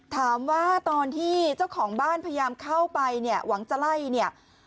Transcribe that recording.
ตอนที่เจ้าของบ้านพยายามเข้าไปเนี่ยหวังจะไล่เนี่ย